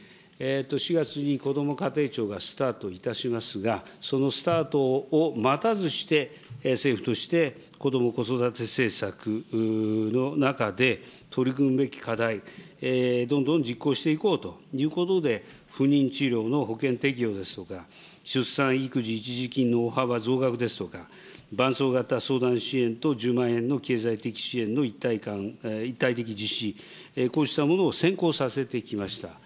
４月にこども家庭庁がスタートいたしますが、そのスタートを待たずして、政府としてこども・子育て政策の中で、取り組むべき課題、どんどん実行していこうということで、不妊治療の保険適用ですとか、出産育児一時金の大幅な増額ですとか、伴走型相談支援と１０万円の経済的支援の一体的実施、こうしたものを先行させてきました。